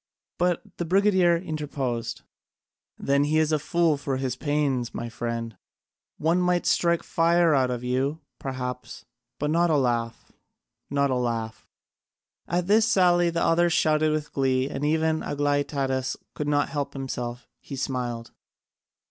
But the brigadier interposed, "Then he is a fool for his pains, my friend: one might strike fire out of you, perhaps, but not a laugh, not a laugh." At this sally all the others shouted with glee, and even Aglaïtadas could not help himself: he smiled.